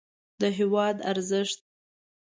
د هېواد ارزښت